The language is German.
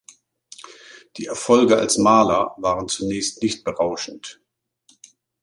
Die Erfolge als Maler waren zunächst nicht berauschend.